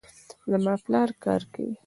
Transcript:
زما پلار کار کوي